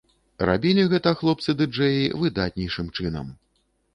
Рабілі гэта хлопцы-дыджэі выдатнейшым чынам.